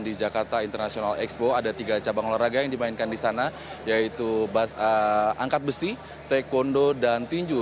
di jakarta international expo ada tiga cabang olahraga yang dimainkan di sana yaitu angkat besi taekwondo dan tinju